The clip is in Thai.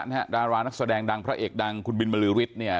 ดาราวานักแสดงดังพระเอกดังคุณบิลมรือวิทย์